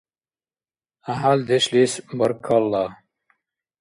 ГӀяхӀялдешлис баркалла!